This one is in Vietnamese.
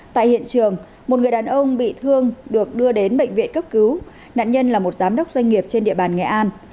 tại hiện trường một người đàn ông bị thương được đưa đến bệnh viện cấp cứu nạn nhân là một giám đốc doanh nghiệp trên địa bàn nghệ an